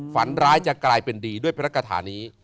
ฝันร้ายจะกลายเป็นดีด้วยพระกฐานี้